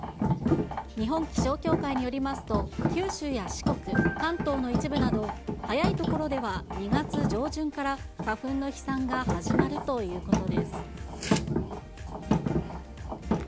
日本気象協会によりますと、九州や四国、関東の一部など、早い所では２月上旬から、花粉の飛散が始まるということです。